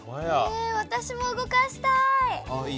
私も動かしたい！